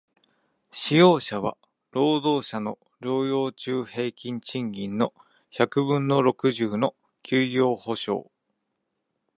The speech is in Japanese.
使用者は、労働者の療養中平均賃金の百分の六十の休業補償